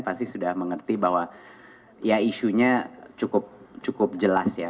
pasti sudah mengerti bahwa ya isunya cukup jelas ya